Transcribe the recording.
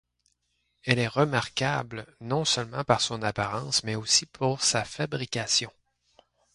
Elle est remarquable non seulement par son apparence mais aussi pour sa fabrication.